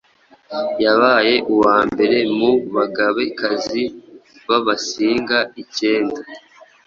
yabaye uwa mbere mu Bagabe-kazi b’Abasinga icyenda